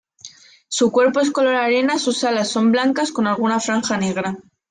Su cuerpo es color arena, sus alas son blancas con alguna franja negra.